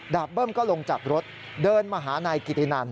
เบิ้มก็ลงจากรถเดินมาหานายกิตินัน